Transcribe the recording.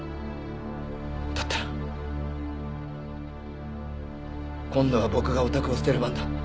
だったら今度は僕がおたくを捨てる番だ。